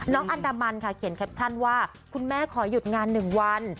น๊อคอัลดามันน่ะแบบขอหยุดงาน๑วัน